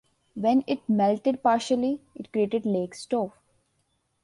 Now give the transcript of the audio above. When it melted partially, it created Lake Stowe.